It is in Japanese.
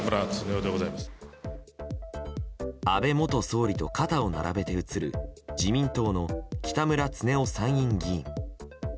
安倍元総理と肩を並べて写る自民党の北村経夫参院議員。